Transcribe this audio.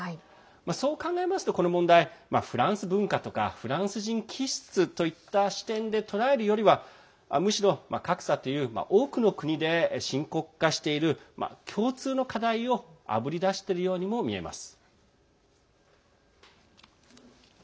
そう考えますと、この問題フランス文化とかフランス人気質といった視点で捉えるよりはむしろ格差という多くの国で深刻化している共通の課題をあぶり出しているようにも見えます。